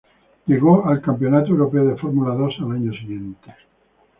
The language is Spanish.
Llegó al Campeonato Europeo de Fórmula Dos al año siguiente.